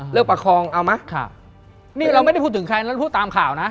เราไม่ได้พูดถึงใครแล้วพูดตามข่าวนะ